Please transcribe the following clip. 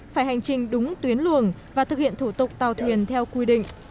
phải hành trình đúng tuyến luồng và thực hiện thủ tục tàu thuyền theo quy định